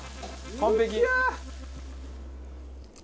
完璧！